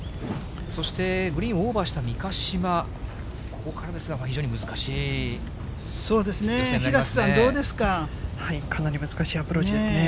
そして、グリーンをオーバーした三ヶ島、ここからですが、非常にそうですね、平瀬さん、どうかなり難しいアプローチですね。